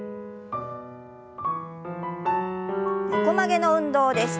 横曲げの運動です。